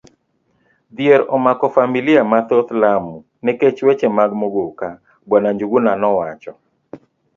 Dhier omako familia mathoth Lamu nikech weche mag Muguka, bw. Njuguna nowacho.